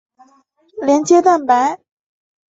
连接蛋白。